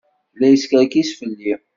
La yeskerkis fell-i.